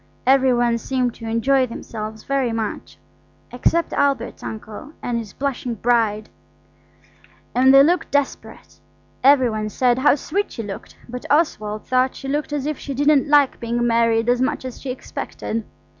Every one seemed to enjoy themselves very much, except Albert's uncle and his blushing bride; and they looked desperate. Every one said how sweet she looked, but Oswald thought she looked as if she didn't like being married as much as she expected.